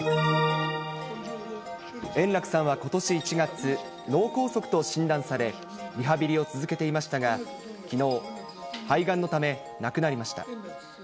円楽さんはことし１月、脳梗塞と診断され、リハビリを続けていましたが、きのう、肺がんのため、亡くなりました。